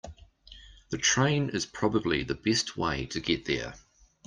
The train is probably the best way to get there.